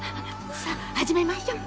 さあ始めましょう。